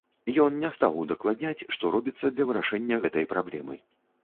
Ён не стаў удакладняць, што робіцца для вырашэння гэтай праблемы.